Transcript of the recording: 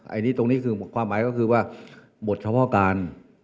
อันนี้ตรงนี้คือความหมายก็คือว่าบทเฉพาะการ